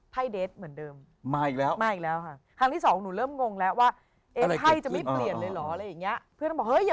ภรรยายทั้งที่สิบเอ็ดสิบสองเลย